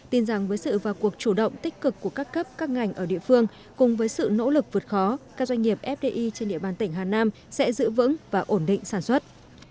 tin rằng với sự và cuộc chủ động tích cực của các cấp các ngành ở địa phương cùng với sự nỗ lực vượt khó các doanh nghiệp fdi trên địa bàn tỉnh hà nam sẽ giữ vững và ổn định sản xuất